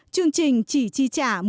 chương trình chỉ chi trả một mươi một tháng